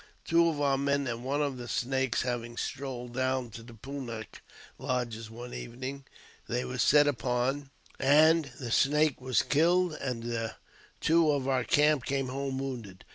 Two of our men and one of the Snakes having strolled down! to the Pun nak lodges one evening, they were set upon, and] the Snake was killed, and the two of our camp came home] wounded.